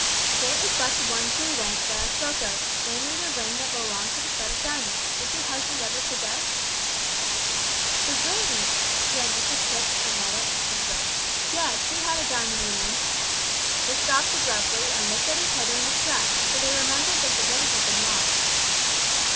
"There is but the one clue, then, that I spoke of, namely, the ring that belonged to the set of diamonds. Did your husband ever possess " "The ring!" exclaimed Mrs Tipps and Netta in the same breath. "Yes, he had a diamond ring " They stopped abruptly, and looked at each other in distress, for they remembered that the ring had been lost.